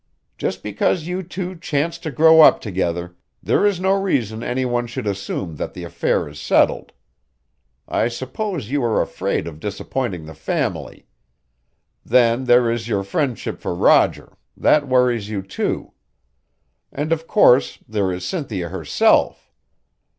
"Just because you two chanced to grow up together there is no reason any one should assume that the affair is settled. I suppose you are afraid of disappointing the family. Then there is your friendship for Roger that worries you too. And of course there is Cynthia herself!